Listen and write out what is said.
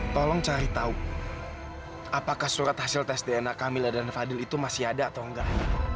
tolong cari tahu apakah surat hasil tes dna kamila dan fadil itu masih ada atau enggak